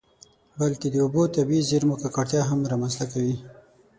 بلکې د اوبو د طبیعي زیرمو ککړتیا هم رامنځته کوي.